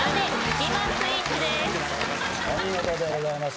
お見事でございます。